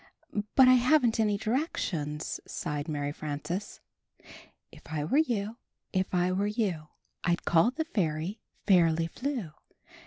"But I haven't any directions," sighed Mary Frances "If I were you, If I were you, I'd call the fairy, Fairly Flew."